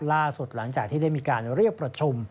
หลังจากที่ได้มีการเรียกประชุม